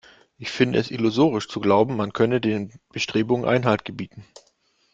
Ich finde es illusorisch zu glauben, man könne den Bestrebungen Einhalt gebieten.